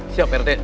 siap pak rt